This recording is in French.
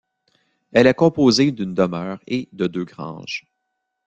Elle est composée d'une demeure et de deux granges.